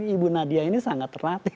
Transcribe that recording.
ibu nadia ini sangat terlatih